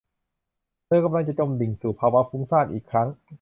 เธอกำลังจมดิ่งลงสู่ภาวะฟุ้งซ่านอีกครั้ง